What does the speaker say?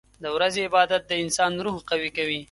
• د ورځې عبادت د انسان روح قوي کوي.